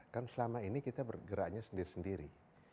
kan selama ini kita bergeraknya sendiri sendiri